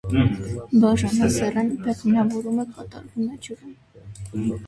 Բաժանասեռ են, բեղմնավորումը կատարվում է ջրում։